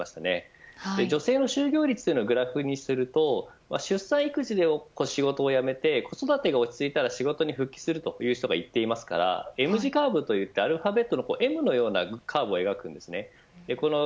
女性の就業率をグラフにすると出産、育児で仕事を辞めて子育てが落ち着いたら仕事に復帰するという人が一定数いますからＭ字カーブといってアルファベットのＭのようなカーブを描きます。